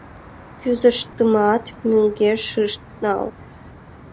Кӱзыштымат мӧҥгеш ышт нал.